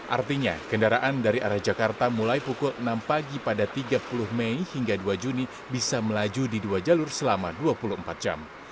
artinya kendaraan dari arah jakarta mulai pukul enam pagi pada tiga puluh mei hingga dua juni bisa melaju di dua jalur selama dua puluh empat jam